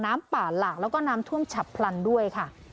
น้ำป่าหลากแล้วก็น้ำท่วมฉับพลันด้วยค่ะ